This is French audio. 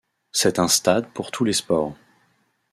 C'est un stade pour tous les sports.